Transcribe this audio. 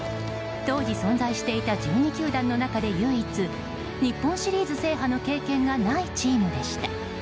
当時、存在していた１２球団の中で唯一日本シリーズ制覇の経験がないチームでした。